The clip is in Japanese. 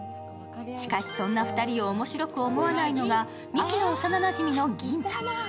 しかし、そんな２人を面白く思わないのが光希の幼なじみの銀太。